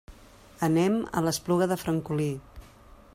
Anem a l'Espluga de Francolí.